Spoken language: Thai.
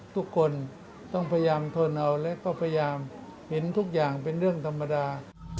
ทุกคนต้องพยายามทนเอาและก็พยายามเห็นทุกอย่างเป็นเรื่องธรรมดา